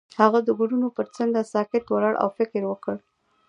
هغه د ګلونه پر څنډه ساکت ولاړ او فکر وکړ.